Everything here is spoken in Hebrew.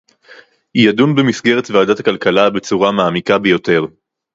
יידון במסגרת ועדת הכלכלה בצורה מעמיקה ביותר